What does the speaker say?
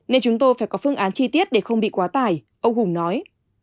nên chúng tôi phải có phương án chi tiết để không bị quá tải ông hùng nói